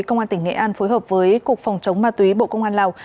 công an tỉnh nghệ an phối hợp với cục phòng chống ma túy bộ công an lào